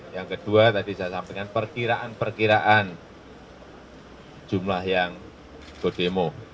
yang kedua tadi saya sampaikan perkiraan perkiraan jumlah yang berdemo